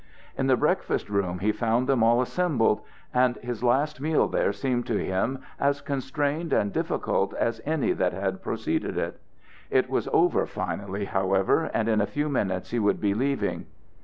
In the breakfast room he found them all assembled, and his last meal there seemed to him as constrained and difficult as any that had preceded it. It was over finally, however, and in a few minutes he would be leaving.